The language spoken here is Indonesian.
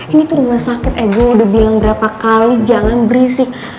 ini tuh rumah sakit eh gue udah bilang berapa kali jangan berisik